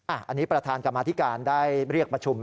อันนี้ประธานกรรมธิการได้เรียกประชุม